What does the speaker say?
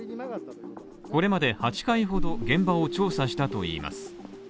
これまで８回ほど、現場を調査したといいます。